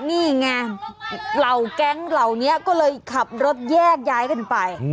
นี่ไงเหล่าแก๊งเหล่านี้ก็เลยขับรถแยกย้ายกันไป